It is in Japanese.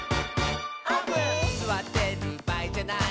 「すわってるばあいじゃない」